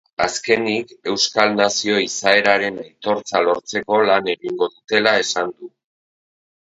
Azkenik, euskal nazio izaeraren aitortza lortzeko lan egingo dutela esan du.